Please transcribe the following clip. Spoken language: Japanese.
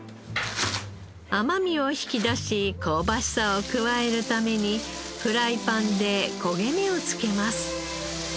甘みを引き出し香ばしさを加えるためにフライパンで焦げ目をつけます。